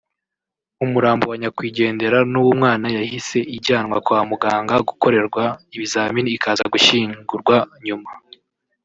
umurambo wa nyakwigendera n’uw’umwana yahise ijyanwa kwa muganga gukorerwa ibizami ikaza gushyingurwa nyuma